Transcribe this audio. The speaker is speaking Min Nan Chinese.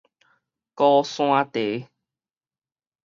高山茶